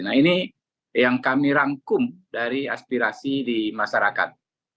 nah ini yang kami rangkum dari aspirasi di masyarakat